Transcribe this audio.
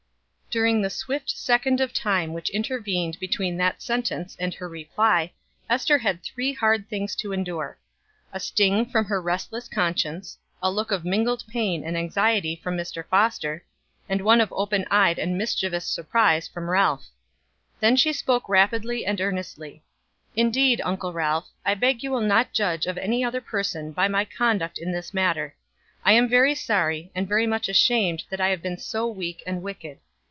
During the swift second of time which intervened between that sentence and her reply Ester had three hard things to endure a sting from her restless conscience, a look of mingled pain and anxiety from Mr. Foster, and one of open eyed and mischievous surprise from Ralph. Then she spoke rapidly and earnestly. "Indeed, Uncle Ralph, I beg you will not judge of any other person by my conduct in this matter. I am very sorry, and very much ashamed that I have been so weak and wicked.